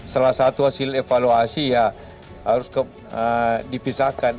salah satu hasil evaluasi ya harus dipisahkan